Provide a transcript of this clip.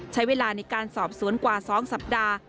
ใช้เวลาในการสอบสวนกว่า๒สัปดาห์